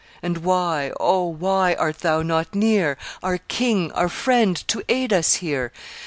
And why, O, why art thou not near, Our king, our friend, to aid us here?